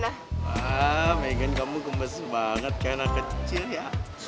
wah megan kamu gemes banget kayak anak kecil ya